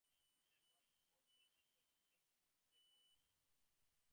The album spawned the singles: "Healing" and "Sycamore Tree".